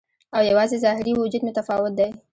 او یوازې ظاهري وجود مې متفاوت دی